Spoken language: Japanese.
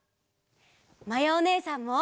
まやおねえさんも！